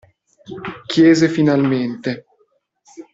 Chiese finalmente.